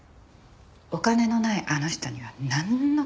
お金のないあの人にはなんの価値もない。